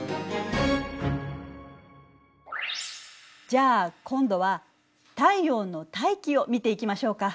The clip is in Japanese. じゃあ今度は太陽の大気を見ていきましょうか。